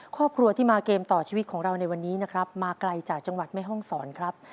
ครอบครัวที่มาเกมต่อชีวิตของเราในวันนี้นะครับมาไกลจากจังหวัดแม่ห้องศรครับ